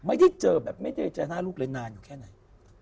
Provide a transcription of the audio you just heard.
ไม่ได้เจอแบบไม่ได้เจอหน้าลูกเลยนานอยู่แค่ไหน